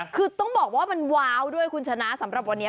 คือต้องบอกว่ามันว้าวด้วยคุณชนะสำหรับวันนี้